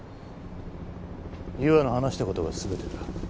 優愛の話した事が全てだ。